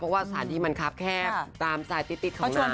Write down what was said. เพราะแสดงมันแคบแคบตามแสดงติดของนาง